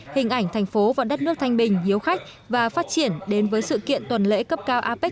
hình ảnh thành phố vận đất nước thanh bình yếu khách và phát triển đến với sự kiện tuần lễ cấp cao apec hai nghìn một mươi bảy